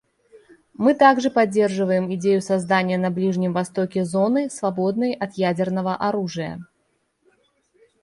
Мы также поддерживаем идею создания на Ближнем Востоке зоны, свободной от ядерного оружия.